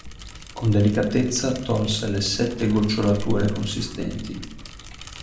Con delicatezza tolse le sette gocciolature consistenti.